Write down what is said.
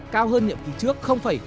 cao hơn nhiệm kỳ trước bảy mươi hai